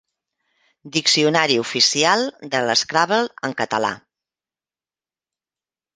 Diccionari oficial de l'Scrabble en català.